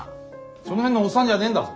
その辺のおっさんじゃねえんだぞ。